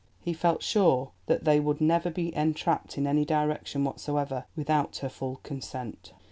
He felt sure that they would never be entrapped in any direction whatsoever without her full consent.